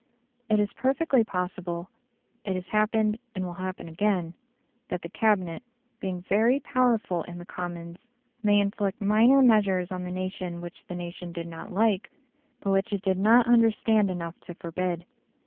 It is perfectly possible it has happened and will happen again that the Cabinet, being very powerful in the Commons, may inflict minor measures on the nation which the nation did not like, but which it did not understand enough to forbid.